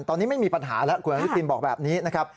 ตอนนี้ไม่มีปัญหาแล้วคุณอนุทินบอกแบบนี้นะครับ